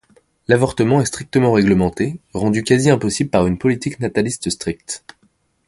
L'avortement est strictement réglementé, rendu quasi impossible par une politique nataliste stricte.